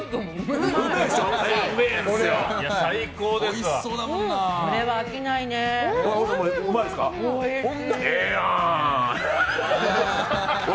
最高ですわ。